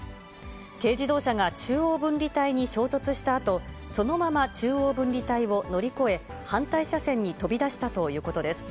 軽自動車が中央分離帯に衝突したあと、そのまま中央分離帯を乗り越え、反対車線に飛び出したということです。